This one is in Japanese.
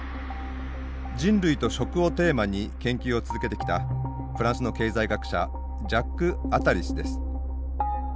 「人類と食」をテーマに研究を続けてきたフランスの経済学者ジャック・アタリ氏です。